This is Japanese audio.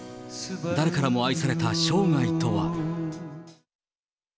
誰からも愛された生涯とは。